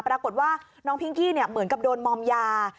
ปรากฏว่าน้องพิงกี้เหมือนกับโดนมอมยา